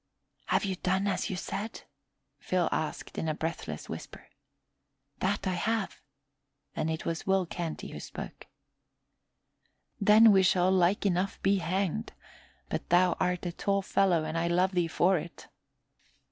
"Have you done as you said?" Phil asked in a breathless whisper. "That I have." And it was Will Canty who spoke. "Then we shall like enough be hanged; but thou art a tall fellow and I love thee for it."